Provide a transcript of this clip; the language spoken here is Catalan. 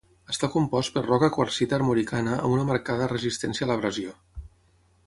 Està compost per roca quarsita armoricana amb una marcada resistència a l'abrasió.